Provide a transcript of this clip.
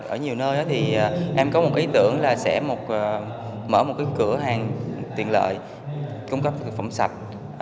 ở nhiều nơi thì em có một ý tưởng là sẽ mở một cái cửa hàng tiện lợi cung cấp thực phẩm sạch